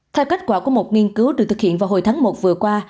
theo kết quả của một nghiên cứu được thực hiện vào hồi tháng một vừa qua